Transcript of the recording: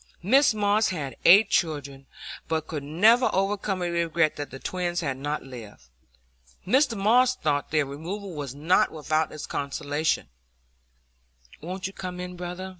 Mrs Moss had eight children, but could never overcome her regret that the twins had not lived. Mr Moss thought their removal was not without its consolations. "Won't you come in, brother?"